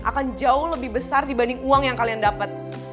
akan jauh lebih besar dibanding uang yang kalian dapat